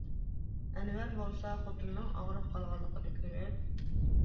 ئەنۋەر بولسا، خوتۇننىڭ ئاغرىپ قالغانلىقىنى كۆرۈپ.